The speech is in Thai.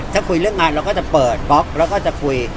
ถ้าคุยเรื่องงานเราก็จะเปิดบล็อกแล้วก็จะคุย